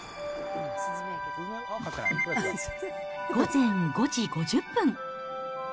午前５時５０分。